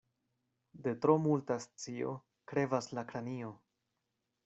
De tro multa scio krevas la kranio.